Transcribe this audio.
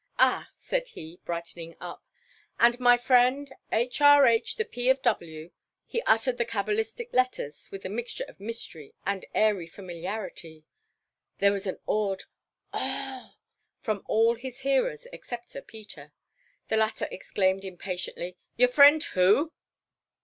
"Ah!"—said he, brightening up, "and my friend, H.R.H. the P. of W.!" He uttered the cabalistic letters with a mixture of mystery and airy familiarity. There was an awed "Oh h!" from all his hearers except Sir Peter. The latter exclaimed impatiently, "Your friend who?"